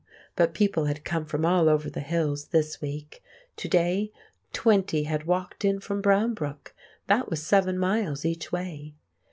But people had come from all over the hills this week; to day twenty had walked in from Brownbrook—that was seven miles each way.